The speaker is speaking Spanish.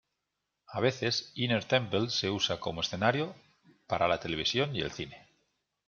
A veces Inner Temple se usa como escenario para la televisión y el cine.